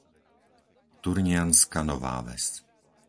Turnianska Nová Ves